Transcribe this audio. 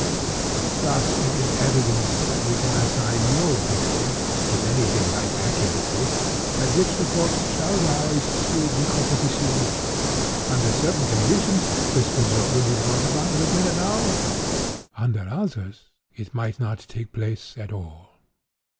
Thus it is evident that we can assign no period, with any thing like accuracy, at which the corpse shall rise through decomposition. Under certain conditions this result would be brought about within an hour; under others, it might not take place at all.